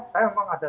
saya memang ada